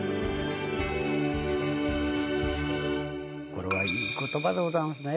これはいい言葉でございますね。